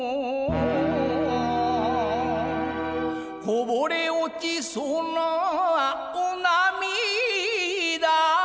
「こぼれ落ちそなお涙を」